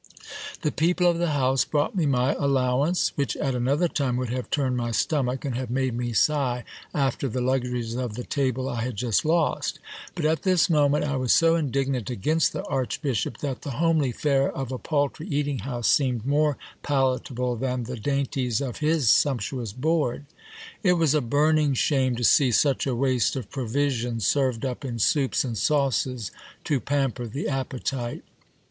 The people of the house brought me my allowance, which at another time would have turned my stomach, and have made me sigh after the luxuries of the table I had just lost. But at this moment I was so indignant against the archbishop, that the homely fare of a paltry eating house seemed more palatable than the dainties of his sumptuous board. It was a burning shame to see such a waste of provisions served up in soups and sauces to pamper the appetite.